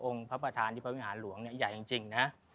องค์พระประธานที่พระวิหารหลวงใหญ่จริงนะ